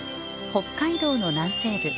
北海道の南西部。